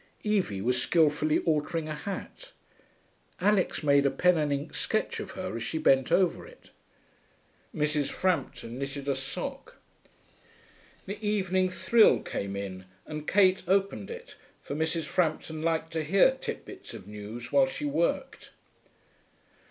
Evie was skilfully altering a hat. Alix made a pen and ink sketch of her as she bent over it. Mrs. Frampton knitted a sock. The Evening Thrill came in, and Kate opened it, for Mrs. Frampton liked to hear tit bits of news while she worked.